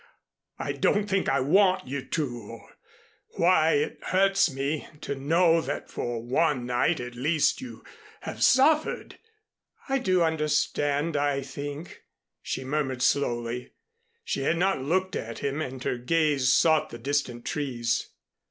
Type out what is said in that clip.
I don't think I want you to or why it hurts me to know that for one night at least you have suffered " "I do understand, I think," she murmured slowly. She had not looked at him, and her gaze sought the distant trees.